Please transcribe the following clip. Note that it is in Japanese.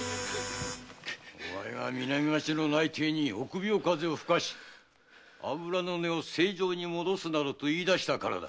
お前が南町の内偵に臆病風を吹かせ油の値を正常に戻すなどと言い出したからだ。